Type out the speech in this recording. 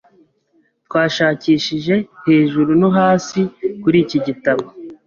Twashakishije hejuru no hasi kuri iki gitabo.